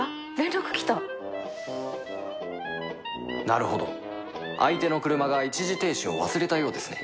なるほど相手の車が一時停止を忘れたようですね